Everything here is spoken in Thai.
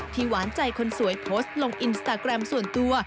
หวานใจคนสวยโพสต์ลงอินสตาแกรมส่วนตัว